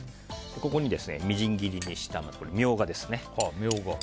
ここにみじん切りにしたミョウガです。